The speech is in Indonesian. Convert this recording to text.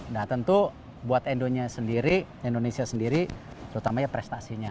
nah tentu buat indonesia sendiri terutama prestasinya